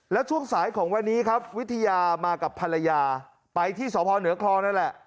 แล้วช่วงสายของวันนี้ครับวิทยามากับภรรยาไปที่สพเหนือคลองนั่นแหละ